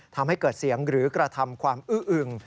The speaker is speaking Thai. ทำให้เกิดเสียงหรือกระทำความอื้ออึง